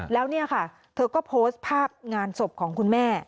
แล้วเนี่ยค่ะเธอก็โพสต์ภาพงานศพของคุณแม่